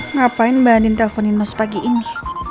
ngapain mbak andin telfonin mas pagi ini